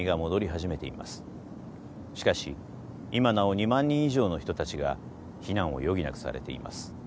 しかし今なお２万人以上の人たちが避難を余儀なくされています。